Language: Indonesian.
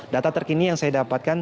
data terkini yang saya dapatkan